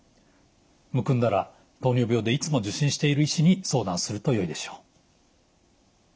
むくんだら糖尿病でいつも受診している医師に相談するとよいでしょう。